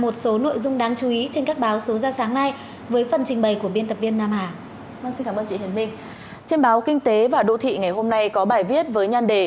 trên báo kinh tế và đô thị ngày hôm nay có bài viết với nhan đề